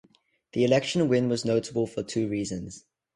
The election win was notable for two reasons.